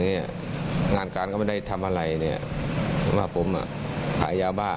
งานการก็ไม่ได้ทำอะไรเนี่ยว่าผมอ่ะขายยาบ้า